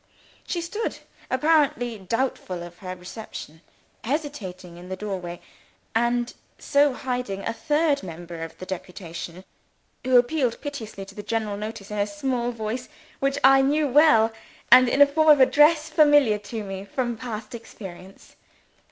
She stood (apparently doubtful of her reception) hesitating in the doorway, and so hiding a third member of the deputation who appealed piteously to the general notice in a small voice which I knew well, and in a form of address familiar to me from past experience.